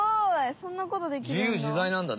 そんなことできるんだ。